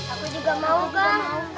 aku juga mau kak